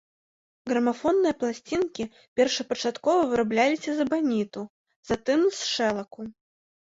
Грамафонныя пласцінкі першапачаткова вырабляліся з эбаніту, затым з шэлаку.